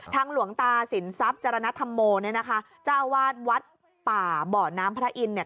หลวงตาสินทรัพย์จนธรรมโมเนี่ยนะคะเจ้าอาวาสวัดป่าบ่อน้ำพระอินทร์เนี่ย